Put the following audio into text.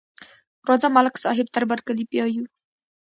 راځه، ملک صاحب تر برکلي بیایو.